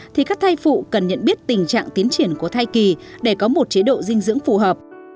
thì các thai phụ cần nhận biết tình trạng tiến triển của thai kỳ để có một chế độ dinh dưỡng phù hợp